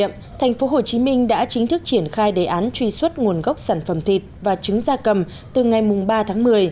sau một tháng thử nghiệm tp hcm đã chính thức triển khai đề án truy xuất nguồn gốc sản phẩm thịt và trứng da cầm từ ngày ba tháng một mươi